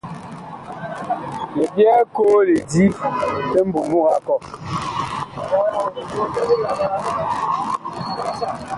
Mi byɛɛ koo lidi li mbumug a kɔh.